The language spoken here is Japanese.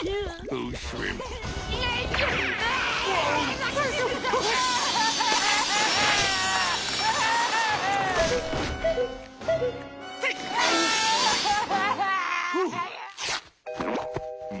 うん？